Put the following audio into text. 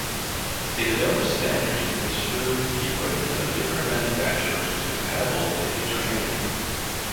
They developed standards to ensure the equipment of different manufacturers was compatible and interchangeable.